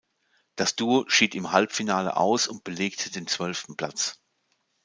Das Duo schied im Halbfinale aus und belegte den zwölften Platz.